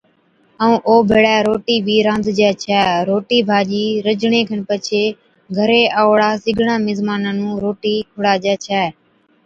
ائُون او ڀيڙَي روٽِي بِي رانڌجَي ڇَي۔ روٽِي ڀاڄِي رجھڻي کن پڇي گھرين آئُوڙان سِگڙان مزمانا نُون روٽِي کُڙاجَي ڇَي